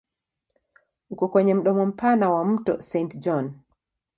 Uko kwenye mdomo mpana wa mto Saint John.